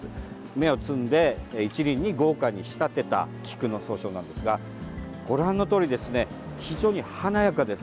芽を摘んで一輪に豪華に仕立てた菊の総称なんですがご覧のとおり非常に華やかです。